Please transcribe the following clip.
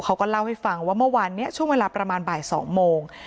เขาก็เล่าให้ฟังว่าเมื่อวานนี้ช่วงเวลาประมาณบ่าย๒โมง